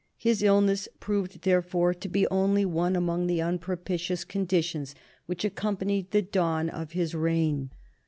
His illness proved therefore to be only one among the unpropitious conditions which accompanied the dawn of his reign.